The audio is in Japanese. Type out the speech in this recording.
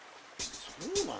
そうなの？